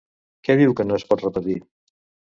Què diu que no es pot repetir?